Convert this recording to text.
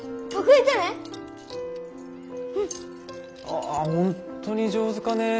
ああ本当に上手かねぇ。